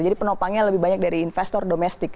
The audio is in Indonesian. jadi penopangnya lebih banyak dari investor domestik